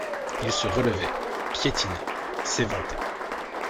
Il se relevait, piétinait, s'éventait.